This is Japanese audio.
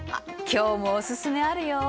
今日もおすすめあるよ。